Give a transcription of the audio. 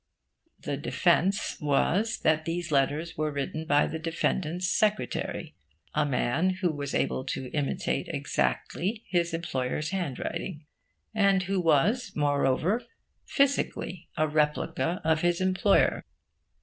The defence was that these letters were written by the defendant's secretary, a man who was able to imitate exactly his employer's handwriting, and who was, moreover, physically a replica of his employer.